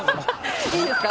いいですか？